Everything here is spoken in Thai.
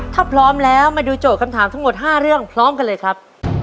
ถ้าพร้อมแล้วมาดูโจทย์คำถามทั้งหมด๕เรื่องพร้อมกันเลยครับ